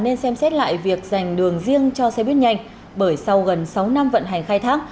nên xem xét lại việc dành đường riêng cho xe buýt nhanh bởi sau gần sáu năm vận hành khai thác